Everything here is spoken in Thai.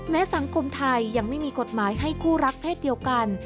สังคมไทยยังไม่มีกฎหมายให้คู่รักเพศเดียวกัน